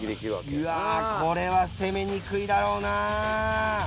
うわこれは攻めにくいだろうな。